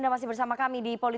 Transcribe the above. pak budiman sujat miko